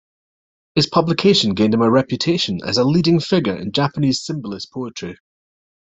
Its publication gained him a reputation as a leading figure in Japanese symbolist poetry.